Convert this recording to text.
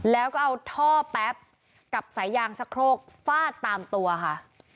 แล้วก็เอาท่อแป๊บกับสายยางชะโครกฟาดตามตัวค่ะ